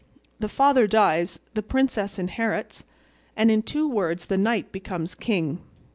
The father dies, the princess inherits, and in two words the knight becomes king.